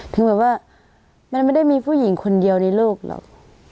ถึงแบบว่ามันไม่ได้มีผู้หญิงคนเดียวในโลกหรอก